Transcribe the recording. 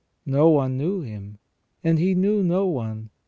No one knew him, and he knew no one.